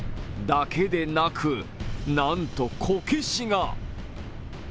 だけでなく、なんと、こけしが。